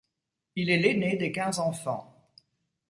Il est l'aîné des quinze enfants.